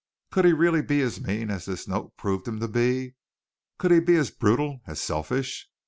Could he really be as mean as this note proved him to be? Could he be as brutal, as selfish?